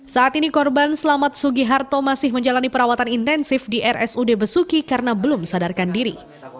saat ini korban selamat sugiharto masih menjalani perawatan intensif di rsud besuki karena belum sadarkan diri